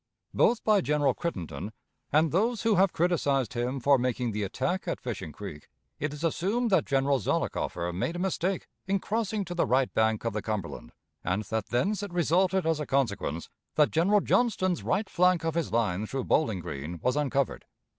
Both by General Crittenden and those who have criticised him for making the attack at Fishing Creek, it is assumed that General Zollicoffer made a mistake in crossing to the right bank of the Cumberland, and that thence it resulted as a consequence that General Johnston's right flank of his line through Bowling Green was uncovered.